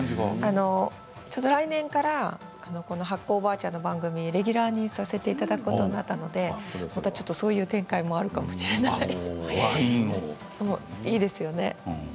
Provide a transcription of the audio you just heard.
来年から発酵おばあちゃんの番組レギュラーにさせていただくことになったのでそういう展開もあるかもしれないですね。